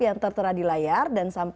yang tertera di layar